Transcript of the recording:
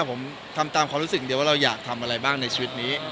ผมทำตามความรู้สึกเดียวว่าเราอยากทำอะไรบ้างในชีวิตนี้